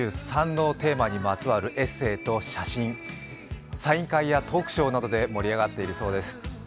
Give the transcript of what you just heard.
３３のテーマにまつわるエッセイと写真、サイン会やトークショーなどで盛り上がっているそうです。